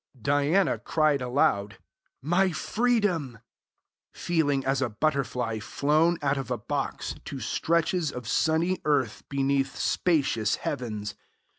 Diana cried aloud, 'My freedom!' feeling as a butterfly flown out of a box to stretches of sunny earth beneath spacious heavens.